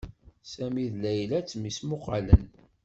Sami d Layla ttmesmuqalen.